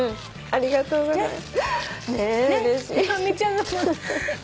ありがとうございます。